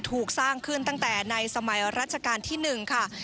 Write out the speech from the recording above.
ถูกสร้างขึ้นตั้งแต่ในสมัยรัชกาลที่๑ค่ะ